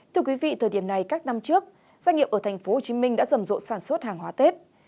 thưa quý vị thời điểm này các năm trước doanh nghiệp ở tp hcm đã rầm rộ sản xuất hàng hóa tết